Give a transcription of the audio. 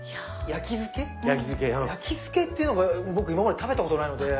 焼き漬けっていうのが僕今まで食べたことないので。